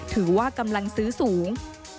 ถือว่ากำลังซื้อสูง